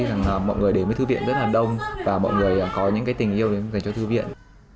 rằng mọi người đến với thư viện rất là đông và mọi người có những cái tình yêu dành cho thư viện